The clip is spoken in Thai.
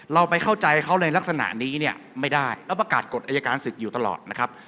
เราไปเข้าใจเขาในลักษณะนี้เนี่ยไม่ได้แล้วประกาศกฎอายการศึกอยู่ตลอดนะครับ